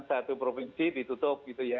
satu provinsi ditutup gitu ya